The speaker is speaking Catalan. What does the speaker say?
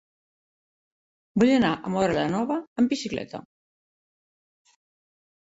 Vull anar a Móra la Nova amb bicicleta.